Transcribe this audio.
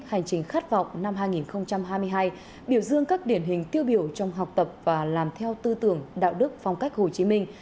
hành trình khát vọng năm hai nghìn hai mươi hai biểu dương các điển hình tiêu biểu trong học tập và làm theo tư tưởng đạo đức phong cách hồ chí minh